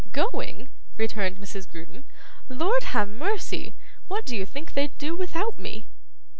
'Going?' returned Mrs. Grudden. 'Lord ha' mercy, what do you think they'd do without me?